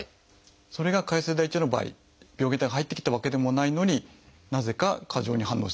それが潰瘍性大腸炎の場合病原体が入ってきたわけでもないのになぜか過剰に反応してしまう。